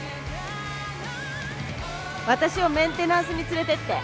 私をメンテナンスに連れてって。